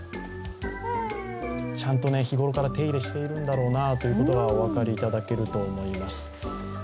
ちゃんと日頃から手入れしてるんだろうなということがお分かりいただけると思います。